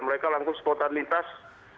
mereka langsung sepotanitas